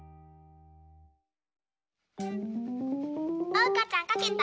おうかちゃんかけた？